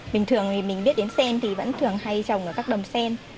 bình thường thì mình biết đến sen thì vẫn thường hay trồng ở các đầm sen